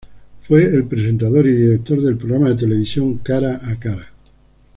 Fue el presentador y director del programa de televisión "Cara a cara".